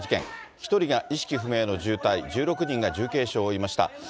１人が意識不明の重体、１６人が重軽傷を負いました。